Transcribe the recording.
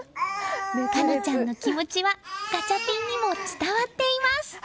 奏乃ちゃんの気持ちはガチャピンにも伝わっています。